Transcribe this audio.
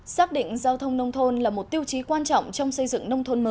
xác định giao thông nông thôn là một tiêu chí quan trọng trong xây dựng nông thôn mới